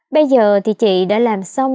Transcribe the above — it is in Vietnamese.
bây giờ thì chị đã làm xong